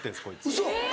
ウソ。